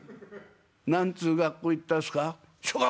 何つう学校行ったんですか？」。